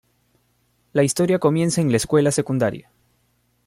La historia comienza en la escuela secundaria.